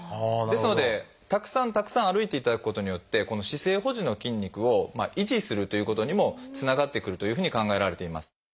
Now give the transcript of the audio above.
ですのでたくさんたくさん歩いていただくことによってこの姿勢保持の筋肉を維持するということにもつながってくるというふうに考えられています。